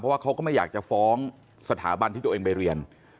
ว่าเขาก็ไม่อยากจะฟ้องสถาบันที่ตัวเองไปเรียน